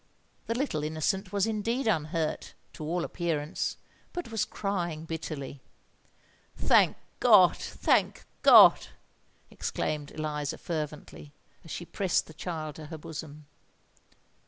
The little innocent was indeed unhurt, to all appearance, but was crying bitterly. "Thank God! thank God!" exclaimed Eliza, fervently, as she pressed the child to her bosom.